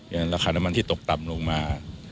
ราคาน้ำมันที่ตกต่ำลงมา